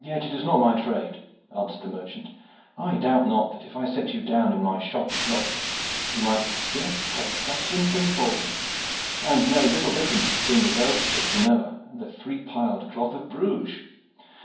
"Yet it is not my trade," answered the merchant. "I doubt not that if I set you down in my shop at Norwich you might scarce tell fustian from falding, and know little difference between the velvet of Genoa and the three piled cloth of Bruges.